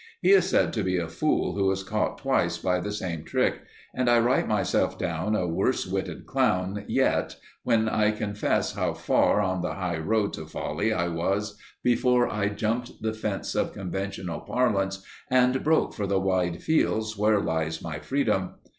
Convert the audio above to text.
He is said to be a fool who is caught twice by the same trick, and I write myself down a worse witted clown yet when I confess how far on the high road to folly I was before I jumped the fence of conventional parlance and broke for the wide fields where lies my freedom.